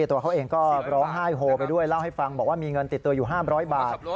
ตัวเขาเองก็ร้องไห้โฮไปด้วยเล่าให้ฟังบอกว่ามีเงินติดตัวอยู่๕๐๐บาท